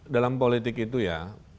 dalam politik itu ya